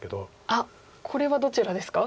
あっこれはどちらですか？